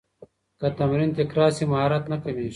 که تمرین تکرار سي، مهارت نه کمېږي.